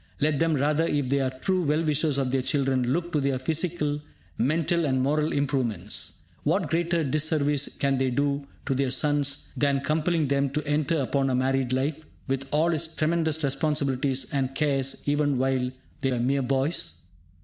Let them, rather, if they are true well wishers of their children, look to their physical, mental and moral improvements. What greater disservice can they do to their sons than compelling them to enter upon a married life, with all its tremendous responsibilities and cares, even while they are mere boys?